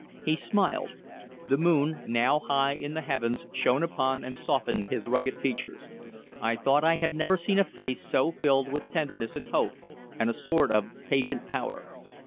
He smiled. The moon, now high in the heavens, shone upon and softened his rugged features. I thought I had never seen a face so filled with tenderness and hope and a sort of patient power.